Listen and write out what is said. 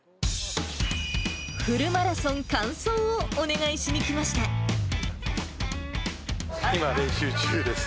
フルマラソン完走をお願いし今、練習中です。